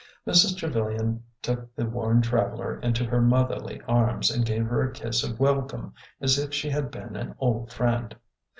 Mrs. Trevilian took the worn traveler into her motherly arms and gave her a kiss of welcome as if she had been an old friend.